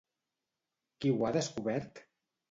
Qui ho ha descobert?